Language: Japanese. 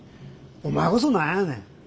お前こそ何やねん。